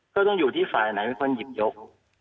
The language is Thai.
ก็ต้องอยู่ที่ฝ่ายไหนเป็นคนหยิบยก